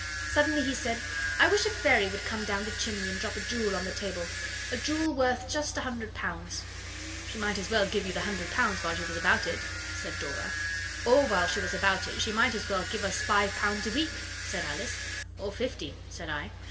Suddenly he said, 'I wish a fairy would come down the chimney and drop a jewel on the table a jewel worth just a hundred pounds.' 'She might as well give you the hundred pounds while she was about it,' said Dora. 'Or while she was about it she might as well give us five pounds a week,' said Alice. 'Or fifty,' said I.